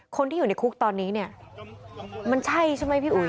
คนที่อยู่ในคุกตอนนี้เนี่ยมันใช่ใช่ไหมพี่อุ๋ย